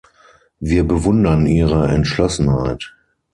Wir bewundern Ihre Entschlossenheit.